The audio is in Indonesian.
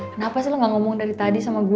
kenapa sih lo gak ngomong dari tadi sama gue